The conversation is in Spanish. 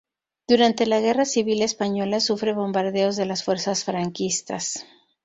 Durante la Guerra Civil española sufre bombardeos de las fuerzas franquistas.